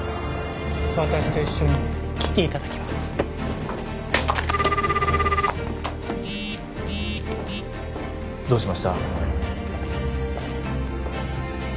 私と一緒に来ていただきますどうしました？